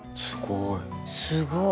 すごい。